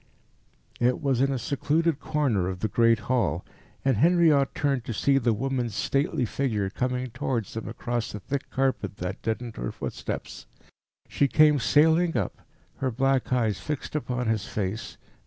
It was in a secluded corner of the great hall, and Henriot turned to see the woman's stately figure coming towards them across the thick carpet that deadened her footsteps. She came sailing up, her black eyes fixed upon his face.